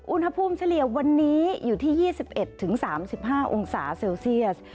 เฉลี่ยวันนี้อยู่ที่๒๑๓๕องศาเซลเซียส